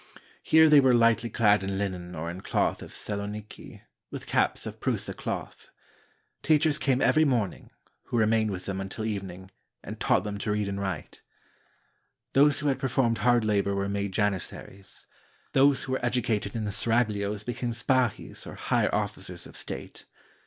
Here they were lightly clad in linen or in cloth of Saloniki, with caps of Prusa cloth. Teach ers came every morning, who remained with them until evening, and taught them to jead and write. Those who » Gibbon. 492 THE TRIBUTE OF CHILDREN had performed hard labor were made Janizaries. Those who were educated in the seraglios became spahis or higher officers of state.